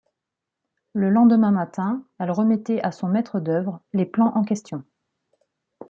Le lendemain matin, elle remettait à son maître d'œuvre les plans en question.